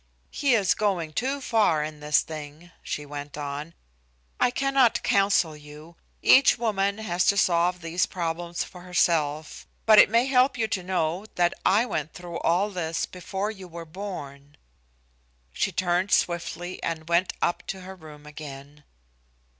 "He is going too far in this thing," she went on. "I cannot counsel you. Each woman has to solve these problems for herself. But it may help you to know that I went through all this before you were born." She turned swiftly and went up to her room again.